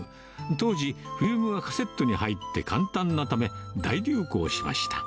当時、フィルムはカセットに入って簡単なため、大流行しました。